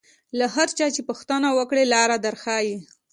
له هر چا چې پوښتنه وکړې لاره در ښیي.